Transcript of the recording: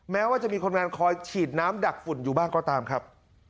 แม้ว่าจะมีคนงานคอยฉีดน้ำดักฝุ่นอยู่บ้างก็ตามครับ